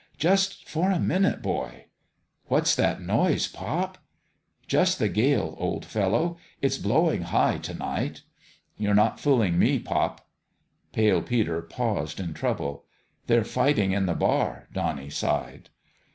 " Just for a minute, boy." " What's that noise, pop ?"" Just the gale, old fellow. It's blowing high to night." THE END OF THE GAME 323 " You're not fooling me, pop." Pale Peter paused in trouble. " They're fighting in the bar," Donnie sighed.